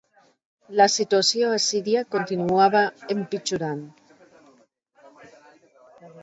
La situació a Síria continuava empitjorant.